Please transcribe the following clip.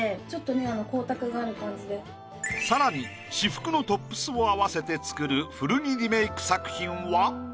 さらに私服のトップスを合わせて作る古着リメイク作品は？